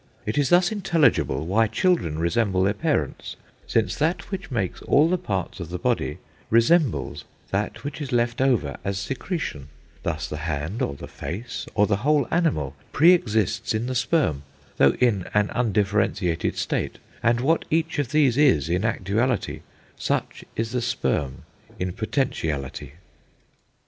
It is thus intelligible why children resemble their parents, since that which makes all the parts of the body, resembles that which is left over as secretion: thus the hand, or the face, or the whole animal pre exists in the sperm, though in an undifferentiated state (ἀδιορίστως); and what each of these is in actuality (ἐνεργείᾳ), such is the sperm in potentiality (δυνάμει)."